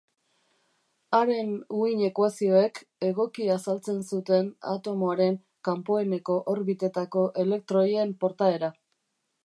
Haren uhin-ekuazioek egoki azaltzen zuten atomoaren kanpoeneko orbitetako elektroien portaera.